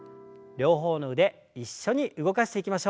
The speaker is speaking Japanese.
両方の腕一緒に動かしていきましょう。